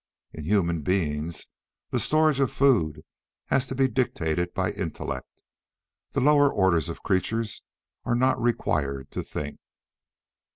In human beings the storage of food has to be dictated by intellect. The lower orders of creatures are not required to think.